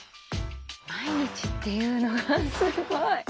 毎日っていうのがすごい！